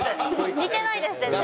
似てないです全然。